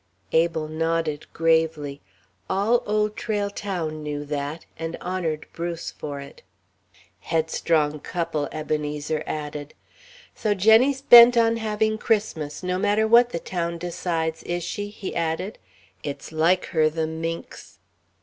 Abel nodded gravely. All Old Trail Town knew that, and honoured Bruce for it. "Headstrong couple," Ebenezer added. "So Jenny's bent on having Christmas, no matter what the town decides, is she?" he added, "it's like her, the minx."